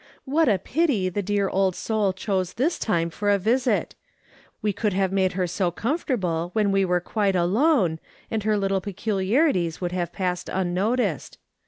"Wliat a pity the dear old soul chose this time for a visit ! "We could have made her so comfortable when wo were quite alone, and her little peculiarities would have passed unnoticed.